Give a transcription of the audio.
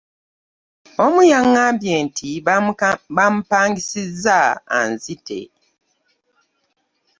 Omu yang’ambye nti bamupangisizza anzite.